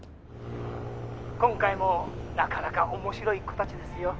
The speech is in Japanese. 今回もなかなか面白い子たちですよ。